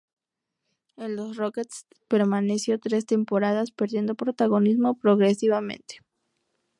En los Rockets permaneció tres temporadas, perdiendo protagonismo progresivamente.